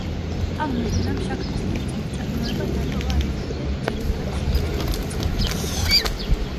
ამ მოვლენამ შაქრის ლერწმის წარმოება დატოვა ერთადერთ ძირითად საექსპორტო წყაროდ.